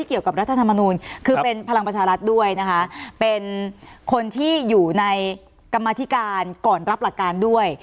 คือเป็นพลังประชารัฐด้วยนะคะเป็นคนที่อยู่ในกรรมธิการก่อนรับหลักการด้วย